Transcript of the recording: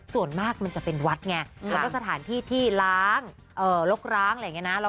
ส่วนมากจะเป็นวัดไหมละก็สถานที่ที่ล้างลดล้างอะไรแบบนี้นะ